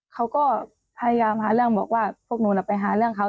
เขาก็พยายามหาเรื่องบอกว่าพวกหนูไปหาเรื่องเขา